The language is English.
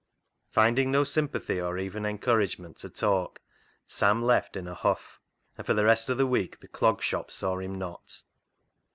Finding no sympathy or even encouragement to talk, Sam left in a huff, and for the rest of the week the Clog Shop saw him not.